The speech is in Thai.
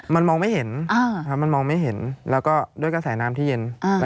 มันมองไม่เห็นมันมองไม่เห็นแล้วก็ด้วยกระแสน้ำที่เย็น